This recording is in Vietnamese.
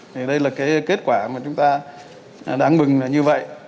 thì đây là cái kết quả mà chúng ta đáng mừng là như vậy